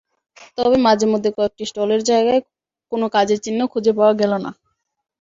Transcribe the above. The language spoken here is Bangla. তবে মাঝেমধ্যে কয়েকটি স্টলের জায়গায় কোনো কাজের চিহ্ন খুঁজে পাওয়া গেল না।